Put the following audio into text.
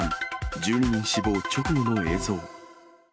１２人死亡、直後の映像。